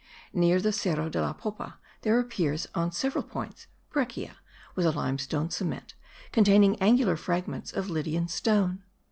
Near the Cerro de la Popa there appears, on several points, breccia with a limestone cement containing angular fragments of Lydian stone.